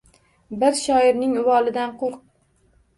Bir shoirning uvolidan qoʼrq.